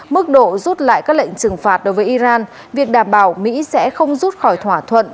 mức độ rút lại các lệnh trừng phạt đối với iran việc đảm bảo mỹ sẽ không rút khỏi thỏa thuận